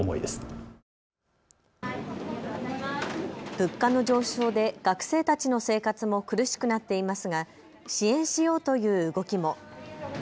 物価の上昇で学生たちの生活も苦しくなっていますが支援しようという動きも。